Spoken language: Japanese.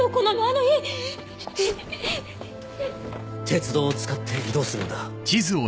鉄道を使って移動するんだ。